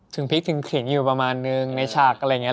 พริกถึงเข็นอยู่ประมาณนึงในฉากอะไรอย่างนี้